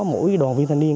mỗi đoàn viên thanh niên